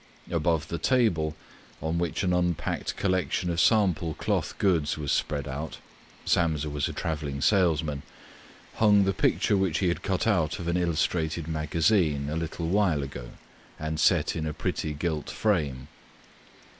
Above the table, on which an unpacked collection of sample cloth goods was spread out—Samsa was a travelling salesman—hung the picture which he had cut out of an illustrated magazine a little while ago and set in a pretty gilt frame.